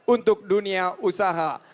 untuk dunia usaha